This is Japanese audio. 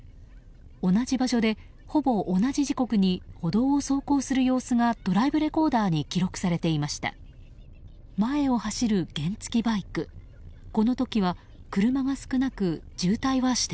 同じ場所で、ほぼ同じ時刻に歩道を走行する様子がドライブレコーダーに記録されていました。